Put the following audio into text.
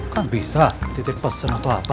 kan bisa titik pesen atau apa